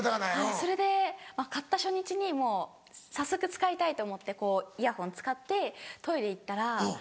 それで買った初日に早速使いたいと思ってイヤホン使ってトイレ行ったら。